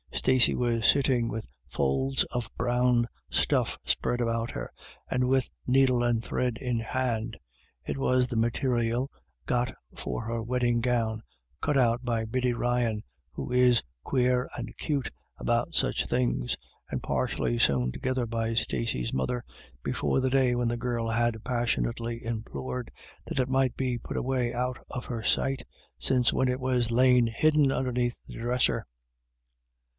Stacey was sitting with folds of brown stuff spread about her, and with needle and thread in hand. It was the material got for her wedding gown, cut out by Biddy Ryan, who is " quare and cute " about such things, and partially sewn together by Stacey's mother, before the day when the girl had passionately implored that it might be put away out of her sight, since when it had lain hidden underneath the dresser.